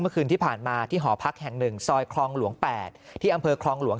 เมื่อคืนที่ผ่านมาที่หอพักแห่ง๑ซอยคลองหลวง๘ที่อำเภอคลองหลวง